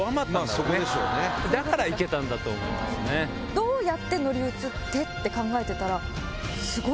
どうやって乗り移って？って考えてたら。